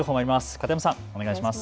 片山さん、お願いします。